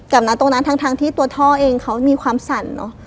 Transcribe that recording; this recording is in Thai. ตรงนั้นทั้งที่ตัวท่อเองเขามีความสั่นเนอะ